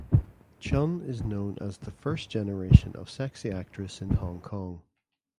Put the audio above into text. Chun is known as the first generation of sexy actress in Hong Kong.